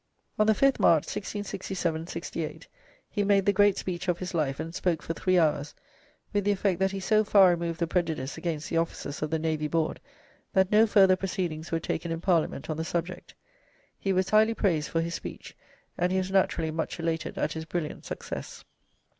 On the 5th March, 1667 68, he made the great speech of his life, and spoke for three hours, with the effect that he so far removed the prejudice against the officers of the Navy Board, that no further proceedings were taken in parliament on the subject. He was highly praised for his speech, and he was naturally much elated at his brilliant success.